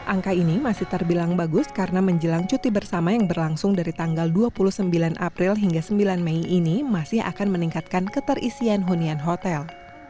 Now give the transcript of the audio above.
angka ini masih terbilang bagus karena menjelang cuti bersama yang berlangsung dari tanggal dua puluh sembilan april hingga sembilan mei ini masih akan meningkatkan keterisian hunian hotel